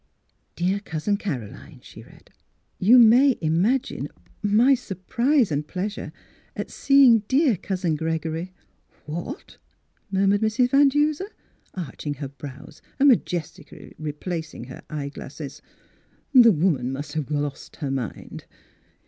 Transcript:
"Dear Cousin Caroline: (she read) Miss Philura's Wedding Gown Yon may imagine my surprise and pleas ure at seeing dear Cousin Gregory —"" What !" murmured Mrs. Van Duser, arching her brows and majestically re placing her eye glasses. " The woman must have lost her mind